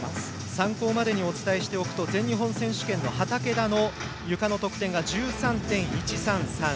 参考までにお伝えしておくと全日本選手権の畠田のゆかの得点が１３．１３３。